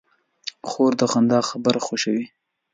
خور د خندا خبره خوښوي.